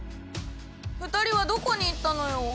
２人はどこに行ったのよ？